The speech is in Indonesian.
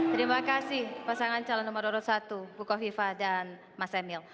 terima kasih pasangan calon nomor orot satu bu kofifah dan mas emil